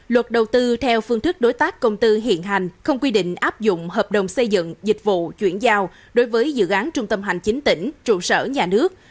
luật đầu tư theo phương thức đối tác công tư hiện hành không quy định áp dụng hợp đồng xây dựng dịch vụ chuyển giao đối với dự án trung tâm hành chính tỉnh trụ sở nhà nước